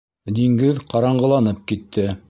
Диңгеҙ ҡараңғыланып китте.